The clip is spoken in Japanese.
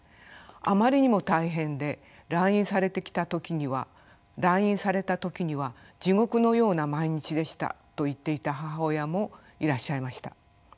あまりにも大変で来院された時には地獄のような毎日でしたと言っていた母親もいらっしゃいました。